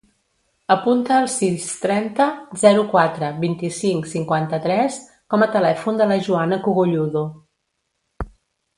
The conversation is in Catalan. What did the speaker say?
Apunta el sis, trenta, zero, quatre, vint-i-cinc, cinquanta-tres com a telèfon de la Joana Cogolludo.